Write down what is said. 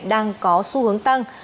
đang có xu hướng tăng